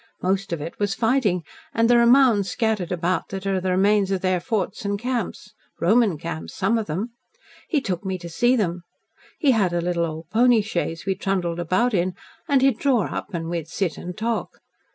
Most of it was fighting, and there are mounds scattered about that are the remains of their forts and camps. Roman camps, some of them. He took me to see them. He had a little old pony chaise we trundled about in, and he'd draw up and we'd sit and talk.